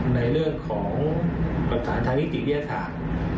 ในเรื่องของประจัดพยาน